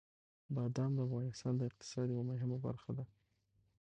بادام د افغانستان د اقتصاد یوه مهمه برخه ده.